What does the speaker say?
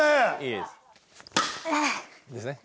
いいですね。